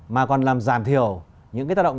mà còn làm giảm thiểu những cái tác động